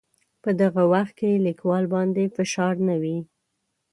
په دغه وخت کې لیکوال باندې فشار نه وي.